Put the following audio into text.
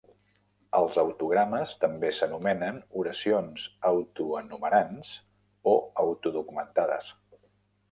Els autogrames també s'anomenen oracions "auto-enumerants" o "auto-documentades".